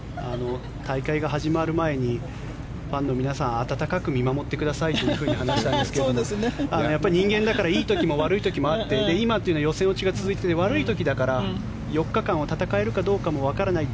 大会が始まる前にファンの皆さん温かく見守ってくださいと話していましたがやっぱり人間だからいい時と悪い時もあって今というのは予選落ちが続いていて悪い時だから４日間を戦えるかどうかもわからない。